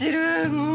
もう！